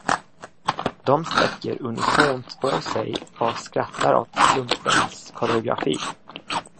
De sträcker unisont på sig och skrattar åt slumpens koreografi.